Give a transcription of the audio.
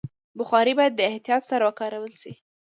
بخاري باید د احتیاط سره وکارول شي.